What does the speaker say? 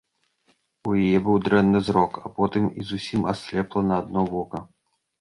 У яе быў дрэнны зрок, а потым і зусім аслепла на адно вока.